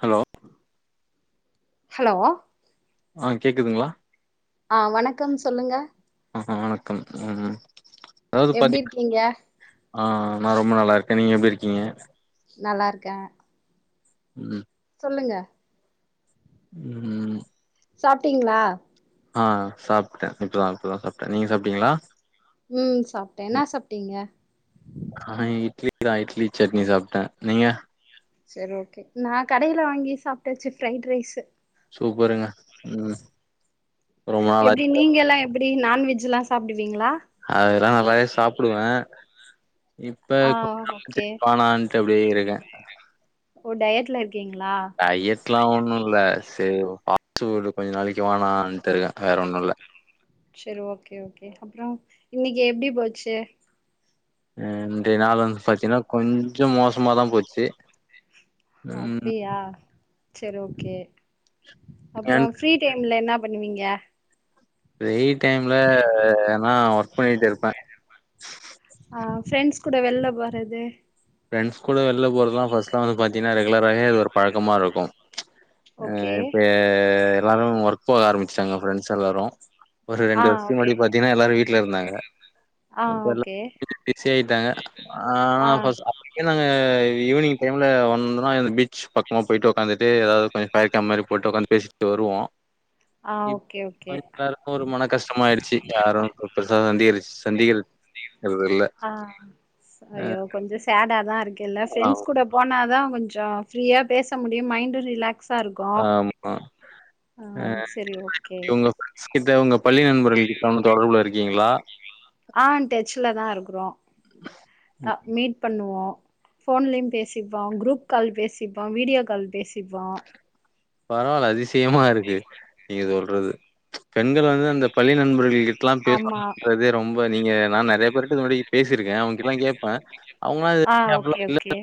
Hello hello ஆ கேக்குதுங்களா ஆ வணக்கம் சொல்லுங்க ஆ வணக்கம் ம் ம் அதாது எப்டி பாத்தீங்கன் இருக்கீங்க ஆ நா ரொம்ப நல்லா இருக்கே நீங்க எப்டி இருக்கீங்க நல்லாருக்கே ம் சொல்லுங்க ம் சாப்ட்டீங்ளா ஆ சாப்ட்டே இப்பதா இப்பதா சாப்ட்டே நீங்க சாப்ட்டீங்ளா ம் சாப்ட்டே என்னா சாப்ட்டீங்க ஆ இட்லி தா இட்லி சட்னி சாப்ட்டே நீங்க சரி ஓகே நா கடைல வாங்கி சாப்ட்டாச்சு ஃப்ரைடு ரைசு சூப்பருங்க ம் ரொம்ப எப்டி நாளாச்சு நீங்க எல்லா எப்டி நான்வெஜ்ல்லா சாப்டுவீங்களா அதுல்லா நல்லாவே சாப்டுவே இப்ப ஆ [unintelligible] ஓகே வேணானு தப்டியே இருக்கே ஓ டயட்ல இருக்கீங்ளா டயட்லா ஒன்னு இல்ல சரி ஃபாஸ் ஃபுட்டு கொஞ்ச நாளைக்கு வேணான்ட்டு இருக்கே வேற ஒன்னு இல்ல சேரி ஓகே ஓகே அப்றோ இன்னைக்கு எப்டி போச்சு இன்றைய நாள் வந்து பாத்தினா கொஞ்சோ மோசமாதா போச்சு ம் அப்டியா செரி ஓகே ஏன் அப்றோ ஃப்ரீ டைம்ல என்னா பண்ணுவீங்க ஃப்ரீ டைம்ல எதனா ஒர்க் பண்ணிட்டு இருப்பே ஆ ஃபிரெண்ட்ஸ் கூட வெள்ல போறது ஃப்ரெண்ட்ஸ் கூட வெள்ல போறதுல ஃபஸ்ட்லா வந்து பாத்தினா ரெகுலராவே அது ஒரு பழக்கமாருக்கு ஆ ஓகே இப்ப எல்லாரு ஒர்க் போக ஆரம்பிச்ட்டாங்க ஃப்ரெண்ட்ஸ் எல்லாரு ஒரு ஆ ரெண்டு வர்ஷத்துக்கு ஓகே முன்னடி பாத்தீங்னா எல்லாரு வீட்ல இருந்தாங்க ஆ இப்ப எல்லாமே ஓகே [inaudible] பிஸி ஆயிட்டாங்க ஆனா ஆ ஃபஸ் இக்கனா ஈவினிங் டைம்ல வந்தோனா எதா பீச் பக்கமா போயிட்டு ஒக்காந்துட்டு எதாது கொஞ்ச பயக்க மாரி போட்டு உக்காந்து பேசிட்டு வருவோ ஆ இப் ஓகே ஓகே [inaudible] இப்ப ஒரு மன கஷ்டமா ஆயிடுச்சு யாரு இப்ப பெருசா வந்து சந்திக்கறது இல்ல ஆ ஐயோ கொஞ்ச சேடா தா இருக்கு எல்லா ஆ ஃப்ரெண்ட்ஸ் கூட போனா தா கொஞ்சோ ஃப்ரீயா பேச முடியு மைண்டு ரிலாக்ஸ் சாருக்கு ஆமா ஆ செரி ஓகே உங்க கிட்ட ஒங்க பள்ளி நண்பர்களுக்கு [unintelligible] தொடர்புல இருக்கீங்களா ஆ டெச்சல தா இருக்குறோ ஆ மீட் பண்ணுவோ ஃபோன்லயு பேசிப்போ குரூப் கால் பேசிப்போ வீடியோ கால் பேசிப்போ பரவால்ல அதிசயமா இருக்கு நீங்க சொல்றது பெண்கள் வந்து அந்த பள்ளி நண்பர்கள் கிட் ல்லா ஆமா பேசுறேன்றதே ரொம்ப நீங்க நா நறையா பேருட்ட இதுக்கு முன்னாடி பேசிருக்கே அவங்ககிட்டலா கேப்ப ஆ ஓகே ஓகே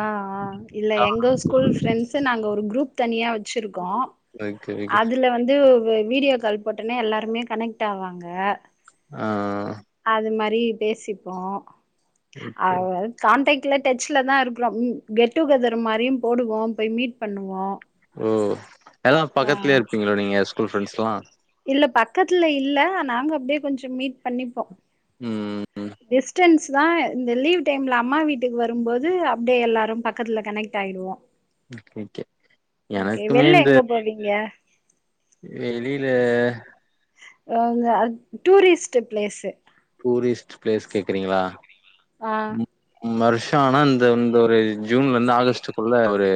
ஆ ஆ இல்ல எங்க ஸ்கூல் ஃப்ரெண்ட்ஸ்சு நாங்க ஒரு குரூப் தனியா வச்சிருக்கோ ஓகே ஓகே அதுல வந்து வ வீடியோ கால் போட்டோனே எல்லாருமே கனெக்ட் ஆவாங்க ஆ ஆ அது மாரி பேசிப்போ ஆ ஓகே ஓகே. கான்டக்ட்ல டச்ல தா இருக்குறோ கெட் டுகெதர் மாதிரியு போடுவோ போய் மீட் பண்ணுவோ ஓ எல்லா ஆ பக்கத்லே இருப்பீங்களோ நீங்க ஸ்கூல் ஃப்ரெண்ட்ஸ்லா இல்ல பக்கத்ல இல்ல நாங்க அப்டியே கொஞ்சோ மீட் பண்ணிப்போ ம் டிஸ்டன்ஸ் தா இந்த லீவ் டைம்ல அம்மா வீட்டுக்கு வரும்போது அப்டியே எல்லாரும் பக்கத்துல கனெக்ட் டாயிடுவோ ஓகே ஓகே ஓகே எனக்குமே வெள்ள எங்க போவீங்க வெளிலா டூரிஸ்ட்டு ப்ளேஸ்சு டூரிஸ்ட் ப்ளேஸ் கேக்றீங்களா ஆ வர்ஷோ ஆனா இந்த இந்த ஒரு ஜூன்ல இருந்து ஆகஸ்டுக்குள்ள ஒரு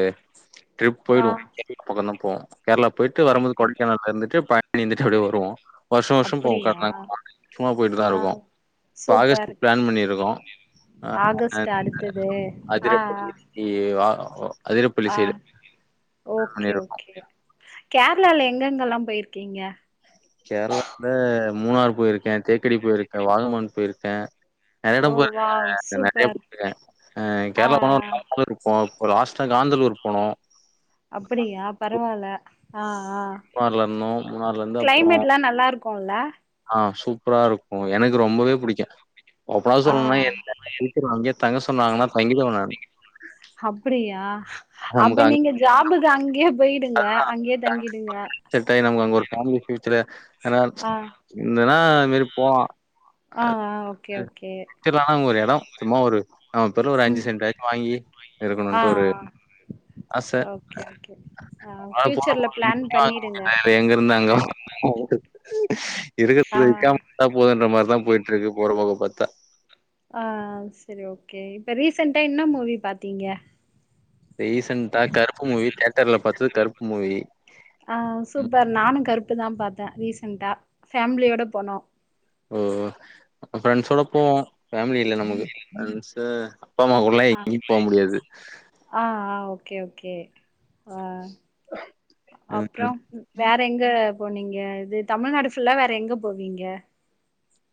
ட்ரிப் ஆ போய்டுவோ கேர்ளா பக்கந்தா போவோ கேர்ளா போயிட்டு வரும்போது அப்டி கொடைக்கானல்ல இருந்துட்டு பழனி இருந்துட்டு அப்டியே வருவோ வர்ஷோ வர்ஷோ போவோ கேர்ளா அப்டியா [inaudible] இப்பவு போயிட்டு தா ஆ இருக்கோ இப்ப சூப்பர் ஆகஸ்டு பிளான் பண்ணிருக்கோ ஆகஸ்ட் அடுத்தது ஆ ஆ [inaudible] ஆ ஓகே பண்ணியிருக்கோம். ஓகே கேர்ளால எங்கெங்கல்லா போயிருக்கீங்க கேர்ளால மூணார் போயிருக்கே தேக்கடி போயிருக்கே வாகமன் போயிருக்கே நெறைய எடோ ஓ வாவ் போயிருக்கேங்க நெறைய சூப்பர் போயிருக்கே அ ஆ கேர்ளா போனா ஒரு ஆ நாலு பேரு இருப்போ இப்போ லாஸ்டா காந்தலூர் போனோ அப்டியா பரவால ஆ ஆ மூணார்ல இருந்தோம். மூணார்லருந்து அப்புறம் கிளைமேட்லா நல்லா இருக்குல்ல ஆ சூப்பரா இருக்கு எனக்கு ரொம்பவே பிடிக்கு ஓப்பனா ஆ சொல்லணுனா என் அங்கே தங்க சொன்னாங்கன்னா தங்கிடுவே நானு அப்டியா நமக்கு அப்ப அங்க நீங்க ஜாபுக்கு அங்கயே போயிடுங்க அங்கேயே தங்கிடுங்க செட் ஆகி நமக்கு அங்க ஒரு ஃபேமிலி ஃயூச்சர் ஆனா ஆ இருந்தனா அது மாரி போலா ஆ ஆ ஓகே ஓகே [unintelligible] அங்க ஒரு எட சும்மா ஒரு நம்ம பேர்ல ஒரு அஞ்சு ம் சென்டாச்சு வாங்கி ஆ இருக்கணுன்ட்டு ஒரு ஆ ஆச ஓகே ஓகே ஆ அதாவது போன ஃப்யூச்சர்ல பிளான் பண்ணிடுங்க போன [inaudible] எங்க இருந்தாங்க அங்க [inaudible] ஆ இருக்றத விக்காம விட்டா போததுன்ற மாரிதா போயிட்ருக்கு போற போக்க பாத்தா ஆ செரி ஓகே இப்ப ரீசென்டா என்ன மூவி பாத்தீங்க ரீசெண்டா கருப்பு மூவி தேட்டர்ல பாத்தது கருப்பு மூவி ஆ ம். சூப்பர் நானு கருப்பு தா பாத்தே ரீசண்ட்டா ஃபேமிலியோட போனோ ஓ ப்ரெண்ட்ஸோட போவோ ஃபேமிலி இல்ல நமக்கு ஃப்ரண்ட்ஸ்சு அப்பா அம்மா கூடலா ஆ எங்கையு போ முடியாது ஆ ஆ ஓகே ஓகே ஆ ம். அப்றோ ம். வேற எங்க போனீங்க இது தமிழ்நாடு ஃபுல்லா வேற எங்க போவீங்க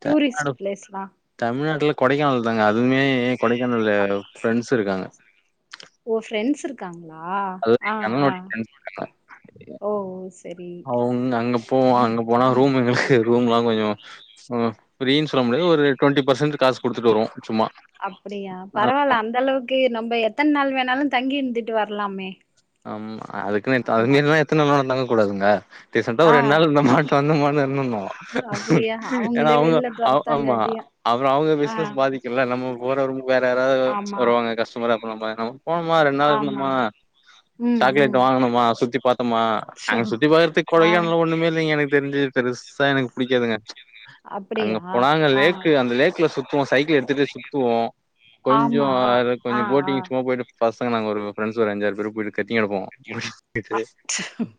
டூரிஸ்ட் ப்ளேஸ்லா தமிழ்நாட்ல கொடைக்கானல் தாங்க அதுவுமே கொடைக்கானல்ல ஃப்ரெண்ட்ஸ் இருக்காங்க ஓ ஃப்ரெண்ட்ஸ் இருக் காங்களா அதாவது ஆ என் ஆ கணவனுடைய ஃப்ரெண்ட்ஸ் இருக்காங்க. ஓ ஓ செரி உன் அங்கப் போவோ அங்க போனா ரூம் எங்களுக்கு ரூம் எல்லா கொஞ்சோ ம் ஃப்ரீனு சொல்ல முடியாது ஒரு டொண்டி பர்சன்ட் காசு கொடுத்துட்டு வருவோ சும்மா அப்டியா பரவால ஆமா, அந்த அளவுக்கு நம்ம எத்தன நாள் வேணாலு தங்கி இருந்துட்டு வரலாமே ஆமா அதுக் [unintelligible] அது ஆமா மாரில எத்தன நாள் தங்கக் கூடாதுங்க டீசன்டா ஆ ஒரு ரெண்டு நாள் இருந்தமான்னு வந்தமான்னு இருந்தரனு அப்டியா ஏன்னா அவங்களே அவுங்க வெளில ஆமா தொரத்தாங்காட்டியு அப்றோ அவுங்க ஆ பிசினஸ் பாதிக் இல்ல நம்ம போற ரூம் வேற யாராவது ஆமா வருவாங்க கஸ்டமர் அப்ப நம்ம போனோமா ரெண்டு நாள் ஆமா இருந்தோமா ம் சாக்லேட் ம் வாங்ணம்மா சுத்தி பாத்தோமா சோ அங்க சுத்தி பாக்கறதுக்கு ஆ கொடைக்கானல்ல ஒண்ணுமே இல் ங்க எனக்கு தெரிஞ்சு பெருசா எனக்கு புடிக்காதுங்க அங்க அப்டியா போனாங்க அங்க ஆ லேக்கு அந்த லேக்ல சுத்துவோ சைக்கிள எடுத்துட்டு சுத்துவோ ஆமா ஆ கொஞ்சோகொஞ்சோ ஆ போட்டிங் சும்மா போய்ட்டு பசங்க நாங்க ஒரு ஃப்ரண்ட்ஸ் ஒரு அஞ்சாறு பேரு ஆ போய்ட்டு [unintelligible]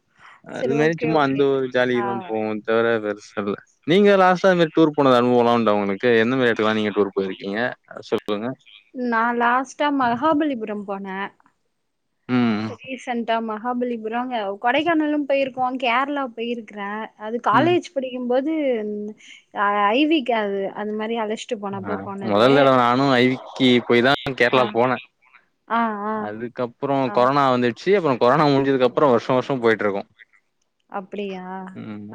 அது சரி மாரி ஓகே சும்மா ஓகே அந்த ஒரு ஆ ஜாலிக்குதா போவோ தவிர பெருசால்ல நீங்க லாஸ்டா இது மாரி டூர் போனது அனுபவோலா உண்டா ஒங்களுக்கு என்ன மாரி எடத்துக்கல்லா நீங்க டூர் போயிருக்கீங்க அத சொல்லுங்க நா லாஸ்ட்டா மகாபல்லிபுரம் போனே ம் ப்ப ரீசண்டா மகாபல்லிபுரம் கொடைக்கானலு போயிருக்கோ கேர்ளா போயிருக்குறே அது ம் காலேஜ் படிக்கும்போது ஐவீக்கா அது அந்மாரி அழச் ஆ மொதல் தடவ நானு ஐவீக்கி போய் தா ஆ கேர்ளா போனே ஆ ஆ அப்றோ ஆ கொரோனா வந்துர்ச்சு அப்றோ கொரோனா முட்ஞ்சதுக்கப்றோ வர்ஷோ வர்ஷோ போயிட்ருக்கோ அப்டியா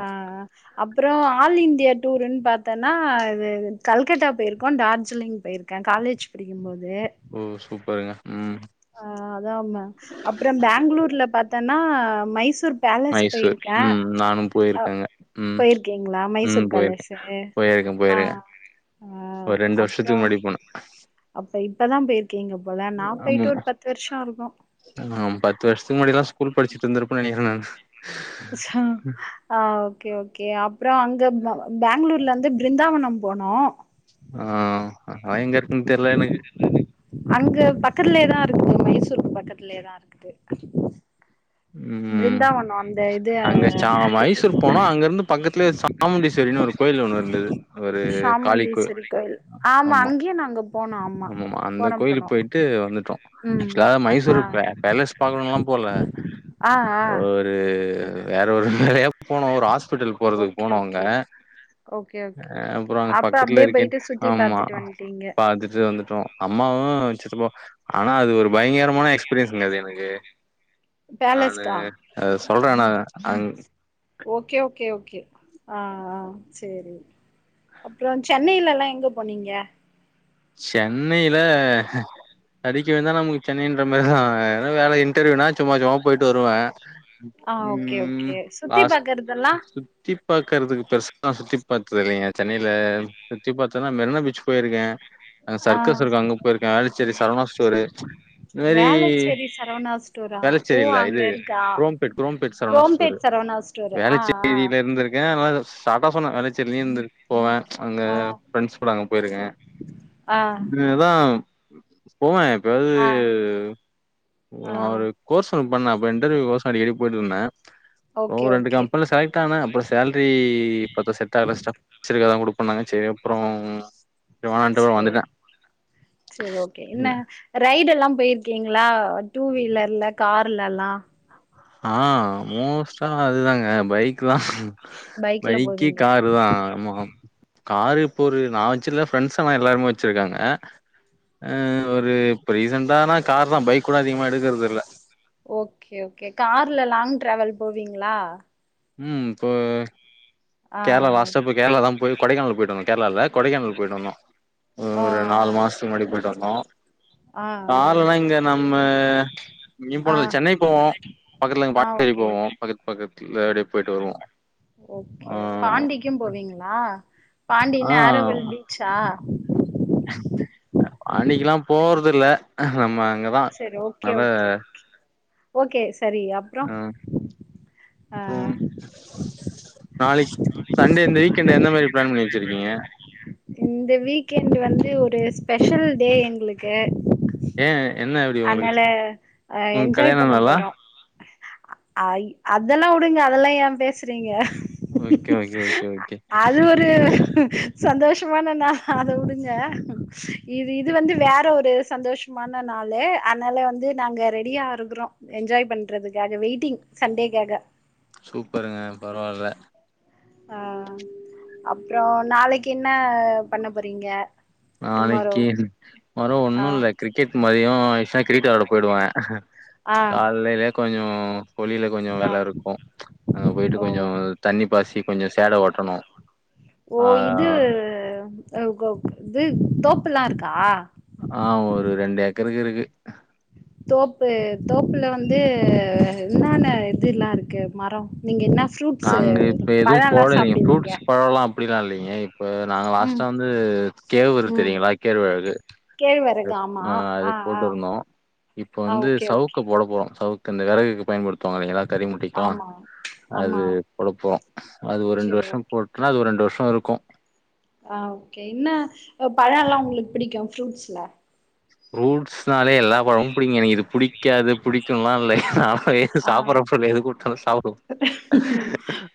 ஆ அப்றோ ஆல் இந்தியா டூருன் பாத்தோன்னா இது கல்கத்தா போயிருக்கோ டார்ஜிலிங் போயிரு க்கே காலேஜ் படிக்குபோது ஓ சூப்பருங்க ம் ஆ அதா மா அப்றோ பெங்களூர்ல பாத்தன்னா மைசூர் பேலஸ் மைசூர் போயிருக்கே. ம் நானு போய்ருக்கே அங்க ம் போயிருக்கீங்களா ம் மைசூர் போய்ருக்கே பேலஸு போய்ருக்கே ஆ போய்ருக்கே ஆ ஒரு ரெண்டு அப்றோ வர்ஷத்துக்கு முன்னாடி போனே அப்ப இப்ப தா போய்ருக்கீங்க போல நா போய்ட்டு ஒரு பத்து வர்ஷோருக்கு நா பத்து வர்ஷத்துக்கு முன்னாடி தா ஸ்கூல் படிச்சுட்ருந்துருப்பே நெனைக்கிறே நானு ஸ் ஹா ஆ ஓகே ஓகே அப்றோ அங்க பெங்களூர்லந்து பிருந்தாவனோ போனோ ஆ அதலா எங்கருக்குன் தெர்ல எனக்கு அங்க பக்கலே தாருக்கு மைசூருக்கு பக்கத்துலே தாருக்குது ம் பிருந்தாவனோ அந்த இது அங்க ச மைசூர் போனோ அங்கருந்து பக்கத்துலே சாமுண்டீஸ்வரின்னு ஒரு கோயில் ஒண்ணு இருந்தது ஒரு காளி கோ சாமுண்டீஸ்வரி கோயில் ஆமா அங்கேயு நாங்க போனோ ஆமா ஆமாமா‌ அந்த போனோ போனோ கோயிலுக்கு போய் ட்டு வந்துட்டோ ம் ஆக்சுவலா நா மைசூர் ஆ பேலஸ் பாக்கணுன்லா போல ஆ ஆ ஒ ரு வேற ஒரு வேலயா போனோ ஒரு ஆஸ்பிட்டல் போறதுக்கு ஓகே போனோ அங்க ஓகே ஓகே ஓகே ஆ அப்றோ அங்க அப்ப அப்டியே பக்கத்துலருக்கே போயிட்டு சுத்தி ஆமா பாத்துட்டு வந்ட்டீங்க பாத்து வந்துட்டோ அம்மாவு சித்தப்பா ஆனா அது ஒரு பயங்கரமான எக்ஸ்பீரியன்ஸ் ங்க அது எனக்கு நானு பேலஸ்கா அது சொல்றே நா அங் ஓகே ஓகே ஓகே ஆ ஆ சேரி அப்றோ சென்னைலலா எங்க போனீங்க சென்னைல தடிக்கி விழுந்தா நமக்கு சென்னைன்ற மார்தா ஏனா வேல இன்டர்வியூனா சும்மா சும்மா போய்ட்டு வருவே ஆ ஓகே ஓகே சுத்தி பாக்கர்தெல்லா சுத்தி பாக்கர்துக்கு பெருசா நா சுத்தி பாத்தில்லைங்க சென்னைல சுத்தி பாத்தன்னா மெரினா பீச் போய்ருக்கே அங்க ஆ சர்க்கஸ் இருக்கு அங்க போய்ருக்கே வேளச்சேரி சரவணா ஸ்டோரு இந்த மாரி வேளச்சேரி சரவணா ஸ்டோரா ஓ வேளச்சேரி இல்ல அங்க இது இருக்கா குரோம்பேட் குரோம்பேட் சரவணா ஸ்டோரு குரோம்பேட் சரவணா ஸ்டோரு ஆ ஆ வேளச்சேரில இருந்திருக்கே அதனால ஷாட்டா சொன்னே வேளச்சேரிலயு இருந்து போவே அங்க ஆ ஃப்ரெண்ட்ஸ் கூட அங்க போய்ருக்கே ஆ இதுதா போவே எப்பயாது ஆ ஆ ஒரு கோர்ஸ் ஒன்னு பண்ண அப்ப இன்டர்வியூ கோசோ அடிக்கடி போய்ட்டு இருந்த ஓகே ஒரு ரெண்டு ஓகே கம்பனில செலெக்ட் ஆன அப்றோ சேல்ரி பாத்தா செட் ஆகல ஸப்சீடா தான் கொடுப்பன்னாங்க சேரி அப்றோ வேணான்ட்டு வந்துட்டே சேரி சேரி ஓகே என்ன ரைடு எல்லா பேய்ருக்கீங்களா டூ வீலர்ல கார்லல்லா ஆ மோஸ்டா அதுதாங்க பைக் தா பைக்ல பைக்கி போவீங்க காரு தா ஆமா காரு இப்போ ஒரு நா வச்சில்ல ஃப்ரெண்ட்ஸ் ஆனா எல்லாருமே வச்சிருக்காங்க அ ஒரு இப்ப ரீசண்டானா கார் தா பைக் கூட அதிகமா எடுக்கறது இல்ல ஓகே ஓகே கார்ல லாங் ட்ராவல் போவீங்களா ம் போ ஆ கேர்ளா லாஸ்ட்டா போய்‌ செரி கேர்ளா தா போய் கொடைக்கானல் போய்ட்டு வந்தோ கேர்ளால்ல கொடைக்கானல் போய்ட்டு வந்தோ ஆ ஒரு நாலு மாசத்துக்கு முன்னாடி போய்ட்டு வந்தோ ஆ கார்லல்லா இங்க நம்ம எங்கயும் ஆ ஆ போல சென்னை போவோ பக்கத்துல எங்க ஆ பாட்டி வீட்டுக்கு ஓகே போவோ பக்கத்து பக்கத்துல அப்டே போய்ட்டு வருவோ ஓகே ஆ பாண்டிக்கும் போவீங்களா ஆ பாண்டினா ஆரோவில் பீச்சா பாண்டிக்குல்லா போறது இல்ல நம்ம அங்கதா செரி ஓகே அத ஓகே ஓகே சரி அப் ம் ம் நாளைக் சண்டே இந்த வீக் எண்ட் எந்த மாரி ப்ளான் பண்ணி வச்சிருக்கீங்க இந்த வீக்கெண்ட்டு வந்து ஒரு ஸ்பெஷல் டே எங்களுக்கு ஏ என்ன எப்டி உங்களுக்கு அன்னால அ உங்க என்ஜாய் கல்யாண பண்ண நாளா போறோ அய் அதெல்லா உடுங்க அதெல்லா ஏ பேசுறீங்க ஓகே ஓகே ஓகே ஓகே இது ம் சந்தோஷமான நாள் அத உடுங்க இது இது வந்து வேற ஒரு சந்தோச மான நாள் ல அதனால வந்து நாங்க ரெடியா இருக்கறோம் என்ஜாய் பண்றதுக்காக வெயிட்டிங் சண்டேக்காக சூப்பருங்க பரவால்ல ஆ அப்றோ நாளைக்கு என்ன பண்ண போறீங்க டுமாரோ நாளைக்கு மர ஆ ஒண்ணு இல்ல கிரிக்கெட் மதியோ ஆச்சுனா கிரிக்கெட் விளையாட போய்டுவ ஆ காலைல கொஞ்சோ கொள்ளில கொஞ்சோ ஆ வேல இருக்கு அங்க போய்ட்டு கொஞ்சோ ஓ தண்ணி பாசி கொஞ்சோ சேல ஓட்டணு ஓ ஆ இது அ ஒ இது தோப்புல்லா இருக்கா ஆ ஒரு ரெண்டு ஏக்கருக்கு இருக்கு தோப்பு தோப்புல வந்து என்னன்னா இதுல்லா இருக்கு மரோ நீங்க என்ன ஃப்ரூட்ஸு நாங்க இப்ப எதுவு பழல்லா போடலைங்க சாப்டுவீங்க ஃப்ரூட்ஸ் பழோல்லா அப்டிலா இல்லைங்க இப்ப நாங்க ம் லாஸ்ட்டா வந்து இது கேவுரு ம் தெரியுங்களா கேழ்வரகு கேழ்வரகு இப் ஆமா ஆ அது ஆ போட்டுருந்தோ இப்ப ஆ வந்து ஓகே ஓகே சவுக்க போட போறோ சவுக் க இந்த வெறகுக்கு பயன்படுத்துவாங்கல்ல எல்லா கறி முட்டைக்கும் ஆமா அது ஆமா பொழப்போ அது ஒரு ரெண்டு செரி வருஷோ ஓகே போட்டனா அது ஒரு ரெண்டு வருஷோ இருக்கு ஆ ஓகே என்ன பழம் எல்லாம் உங்களுக்கு பிடிக்கும் ஃப்ரூட்ஸ்ல ப்ரூட்ஸ்னாலே எல்லா பழமும் புடிக்கும்ங்க எனக்கு இது பிடிக்காது புடிக்கும்லாம் இல்லைங்க அ எ ஆ சாப்பிடறப்ப எது குடுத்தாலும் சாப்டுவோ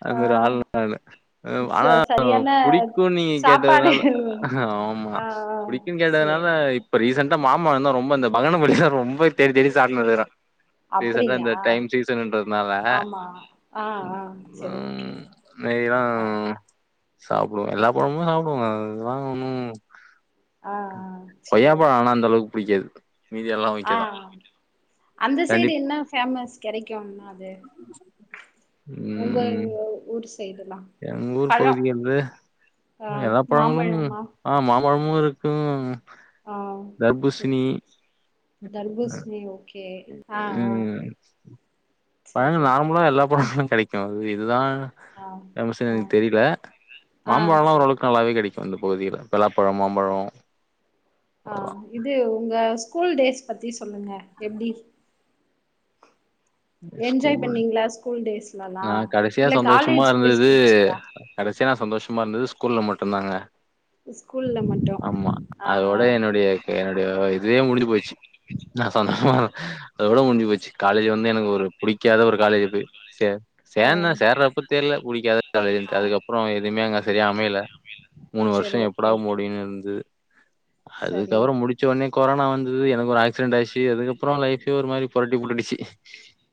அந்த மாரி ஆள் ஆ நானு ச ஆனா சரியான புடி க்கும் நீ சாப்பாடு கேட்டதுனால ஆமா ஆ ஆ புடிக்கும்ன்னு கேட்டதுனால சேரி இப்ப ரீசண்டடா மாமா வந்து ரொம்ப அந்த பகன பள்ளி தா ரொம்ப தேடி தேடி சாப்ட்டுனுக்குறா ரீசண்டடா அப்டியா இந்த டைம் சீசன்றதுனால அ ஆமா ஆ ஆ சேரி ஓகே உம் நெய்லாம் ஆ சாப்டுவோம் எல்லா பழமோ சாப்டுவோ அதல்லான் ஒன்னும்ல ஆ ஆ சேரி கொய்யாப்பழம் ஓகே ஆனா அந்த அளவுக்கு புடிக்காது மீதி எல்லா ஆ ஓகேதா அந்த சைடு கண்டிப் என்ன ஃபேமஸ் கெடைக்கும்னா அது ம் உங்க ஊர் சைடுலாம் எங்க ஊர் பகுதிக்கு வந்து ஆ எல்லா பழங்களும் மாம்பழமா ஆ மாம்பழமும் இருக்கு ஆ தர்பூஸ்னி தர்பூஸ்னி ஓகே ஆ ஆ சரி லாம் எல்லா பழங்களும் கடைக்கும் அது இதுதா [unintelligible] ஆ எனக்கு ஆ தெரில ஆ மாம்பழம்லாம் சேரி ஓரளவுக்கு நல்லாவே கடைக்கும் இந்த பகுதில பலாப்பழம் மாம்பழம் ஆ அதல்லா இது உங்க ஸ்கூல் டேஸ் பத்தி சொல்லுங்க எப்டி என்ஜாய் ஸ்கூல் பண்ணீங்களா ஸ்கூல் டேஸ்லலா நா கடைசியா இல்ல சந்தோஷமா காலேஜ் டேஸ் இருந்தது புடிச்சதா கடைசியா நா சந்தோஷமா இருந்தது ஸ்கூல்ல மட்டுதாங்க ஸ்கூல்ல மட்டு ஆமா ஆ அதோட என்னுடைய என்னுடைய இதுவே முடிஞ்சு போச்சு நா சந்தோஷமா அதோட முடிஞ்சு போச்சு காலேஜ் வந்து எனக்கு ஒரு புடிக்காத ஒரு காலேஜ்ல போய் சே ஆ ஓ சேந்தேன் சேர்றப்ப தெர்ல புடிக்காத ஆ காலேஜின்ட்டு அதுக்கப்ரோ எதுமே அங்க சரியா அமயல மூணு சரி வருஷம் எப்படா ஓகே ஓகே முடியும் இருந்தது சரி அதுக்கப்றம் முடி ச்ச் ஒட்னே கொரோனா வந்தது எனக்கு ஒரு ஆக்சிடன்ட் ஆயிச்சு அதுக்கப்புறம் லைப்பே ஒரு மாரி பொரட்டி போட்டுடுச்சி